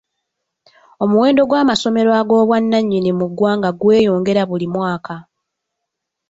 Omuwendo gw'amasomero ag'obwannannyini mu ggwanga gweyongera buli mwaka.